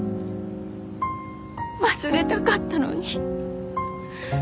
忘れたかったのに。